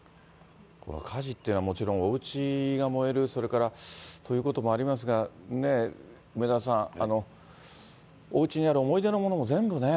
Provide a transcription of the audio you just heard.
火事っていうのはもちろん、おうちが燃える、それからということもありますが、梅沢さん、おうちにある思い出のものも全部、ねえ。